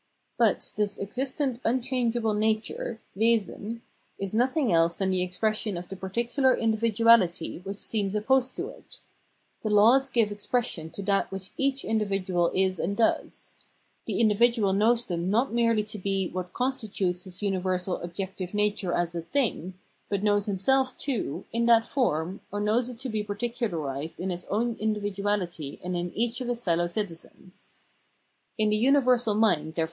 But this existent unchangeable nature (Wesen) is nothing else than the expression of the particular in dividuality which seems opposed to it : the laws give expression to that which each individual is and does ; the individual knows them not merely to be what con stitutes his universal objective nature as a " thing," but knows himself, too, in that form, or knows it to be particularised in his own individuahty and in each of his feUow citizens. In the universal mind, there